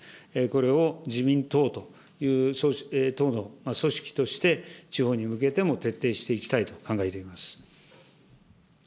これを自民党という党の組織として、地方に向けても徹底していきたいと考えています。